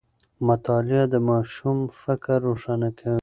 مطالعه د ماشوم فکر روښانه کوي.